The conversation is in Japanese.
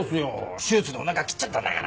手術でおなか切っちゃったんだから。